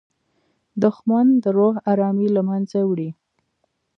دښمن د روح ارامي له منځه وړي